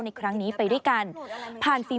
ในครั้งนี้ไปด้วยกัน